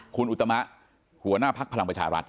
คุณอุตมะหัวหน้าพักพลังประชารัฐ